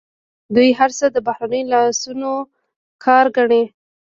دوی هر څه د بهرنیو لاسونو کار ګڼي.